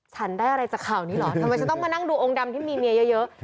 ฉันได้อะไรจากข่าวนี้เหรอทำไมฉันต้องมานั่งดูองค์ดำที่มีเมียเยอะ